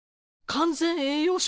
完全栄養食。